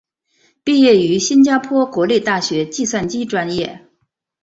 毕业于新加坡国立大学计算机专业。